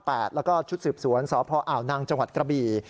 แล้วก็ชุดสืบสวนสออาวนังจกระบี